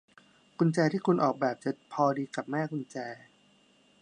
กุญแจที่คุณออกแบบจะพอดีกับแม่กุญแจ